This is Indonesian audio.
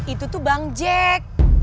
itu tuh bang jack